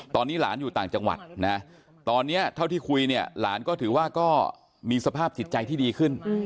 ตอนนี้หลานอยู่ต่างจังหวัดนะตอนนี้เท่าที่คุยเนี่ยหลานก็ถือว่าก็มีสภาพจิตใจที่ดีขึ้น